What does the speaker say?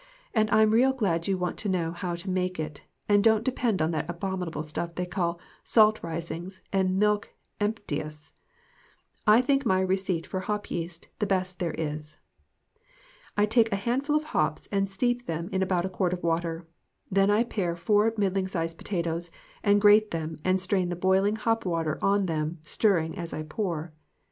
And I'm real glad you want to know how to make it, and don't depend on that abominable stuff they call "salt risings" and "milk emp/*&f"/ I think my receipt for hop yeast the best there is. I take a handful of hops and steep them in about a quart of water. Then I pare four middling sized potatoes and grate them and strain the boil ing hop water on them, stirring as I pour.